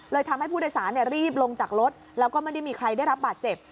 ทำให้ผู้โดยสารรีบลงจากรถแล้วก็ไม่ได้มีใครได้รับบาดเจ็บ